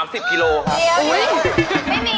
ไม่มีค่ะไม่มีหรอไม่มีเอ้อนี่